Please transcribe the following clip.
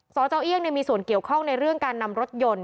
สจเอี่ยงมีส่วนเกี่ยวข้องในเรื่องการนำรถยนต์